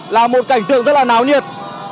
là một cảnh tượng rất là náo nhiệt